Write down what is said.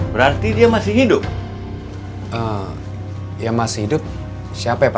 waktu mama bikin kopi buat papa